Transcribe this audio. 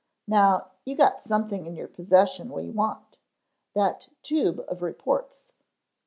Now, you got something in your possession we want; that tube of reports.